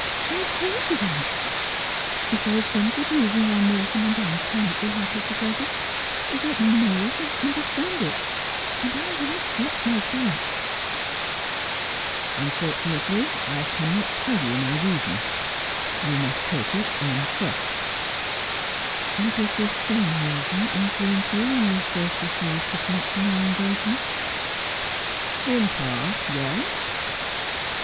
I have told you that. But pray do not treat me like a child. If there is some good reason why Morton and I cannot be happy together, let me know it, and understand it, and I will accept my fate.' ' Unfortunately I cannot tell you my reason. You must take it on trust.' 'And did this same reason influence you when you first refused to sanction our engagement V 158 Just as I Am. ' In part, yes.'